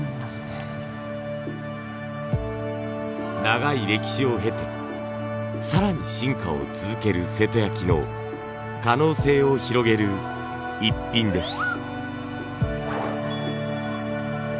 長い歴史を経て更に進化を続ける瀬戸焼の可能性を広げるイッピンです。